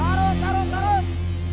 garut garut garut